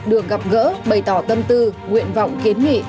được gặp gỡ bày tỏ tâm tư nguyện vọng kiến nghị